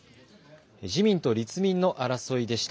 自民党と立民の争いでした。